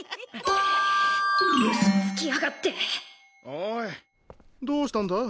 おいどうしたんだ？